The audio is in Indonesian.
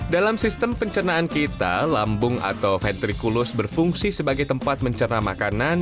dalam sistem pencernaan kita lambung atau ventrikulus berfungsi sebagai tempat mencerna makanan